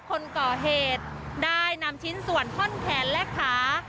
คนก่อเหตุได้นำชิ้นส่วนท่อนแขนและขา